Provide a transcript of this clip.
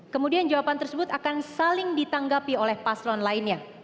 kemudian jawaban tersebut akan saling ditanggapi oleh paslon lainnya